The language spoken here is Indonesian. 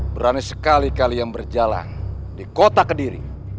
berani sekali kalian berjalan di kota kediri